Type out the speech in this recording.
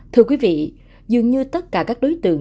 thưa quý vị dường như tất cả các đối tượng